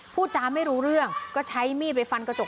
พูดจาไม่รู้เรื่องก็ใช้มีดไปฟันกระจก